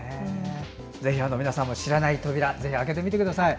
ぜひ皆さんも知らない扉を開けてみてください。